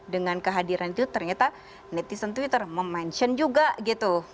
dengan kehadiran itu ternyata netizen twitter memention juga gitu